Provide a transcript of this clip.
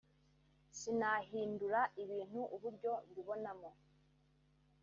Sinahindura ibintu uburyo mbibonamo